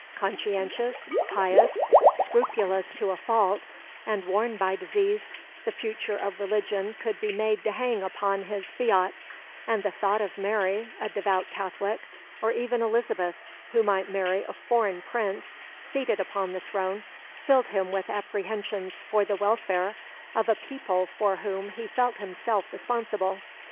Conscientious, pious, scrupulous to a fault, and worn by disease, the future of religion could be made to hang upon his fiat, and the thought of Mary, a devout Catholic, or even Elizabeth, who might marry a foreign prince, seated upon the throne, filled him with apprehensions for the welfare of a people for whom he felt himself responsible.